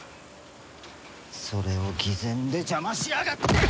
それを偽善で邪魔しやがって！